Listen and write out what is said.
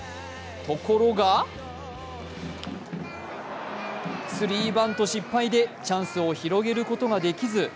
ところがスリーバント失敗でチャンスを広げることができず。